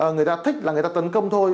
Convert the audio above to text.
người ta thích là người ta tấn công thôi